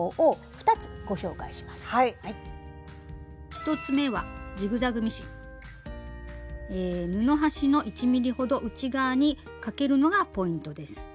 １つ目は布端の１ｍｍほど内側にかけるのがポイントです。